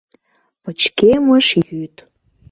Пычкемыш йӱд.